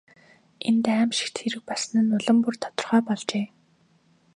Энд аймшигт хэрэг болсон нь улам бүр тодорхой болжээ.